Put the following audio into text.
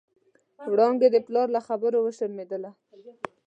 وړانګې د پلار له خبرو شرمېدله.